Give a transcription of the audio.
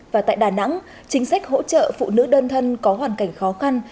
và tại đà nẵng chính sách hỗ trợ phụ nữ đơn thân có hoàn cảnh khó khăn